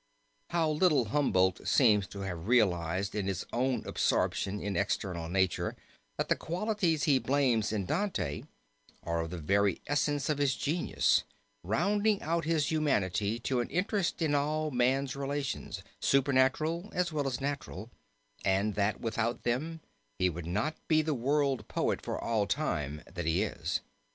How little Humboldt seems to have realized in his own absorption in external nature, that the qualities he blames in Dante are of the very essence of his genius, rounding out his humanity to an interest in all man's relations, supernatural as well as natural, and that without them he would not be the world poet for all time that he is.